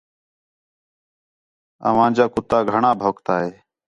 او انجا کتا گھݨاں بھونکتا ہے